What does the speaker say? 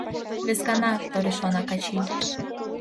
Вескана... — торешлана Качий.